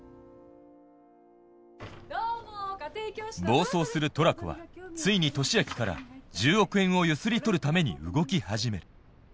暴走するトラコはついに利明から１０億円をゆすり取るために動き始めるこの程度の記事